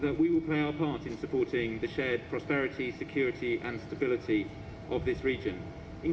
dan kami memutuskan bahwa kami akan bergantung untuk mendukung keberkatan keamanan dan keamanan berkumpul